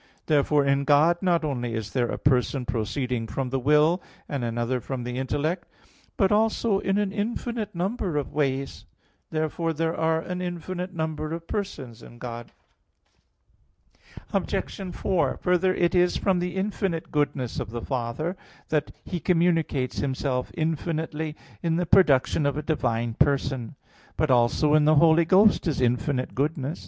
Therefore in God not only is there a person proceeding from the will, and another from the intellect, but also in an infinite number of ways. Therefore there are an infinite number of persons in God. Obj. 4: Further, it is from the infinite goodness of the Father that He communicates Himself infinitely in the production of a divine person. But also in the Holy Ghost is infinite goodness.